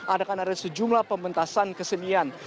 adakan ada sejumlah pementasan kesenian